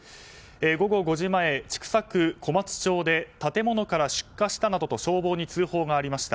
午後５時前、千種区小松町で建物から出火したなどと消防に通報がありました。